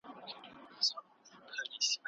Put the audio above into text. موږ ټول په یوه ټولنه کې ژوند کوو.